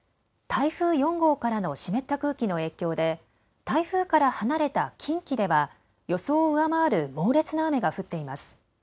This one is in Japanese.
台風４号からの湿った空気の影響で台風から離れた近畿では予想を上回る猛烈な雨が降っています。